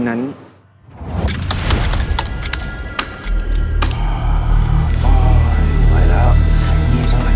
ยังไงเสียงน้องต่อ